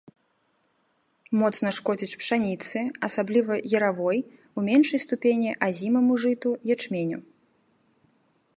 Моцна шкодзіць пшаніцы, асабліва яравой, у меншай ступені азімаму жыту, ячменю.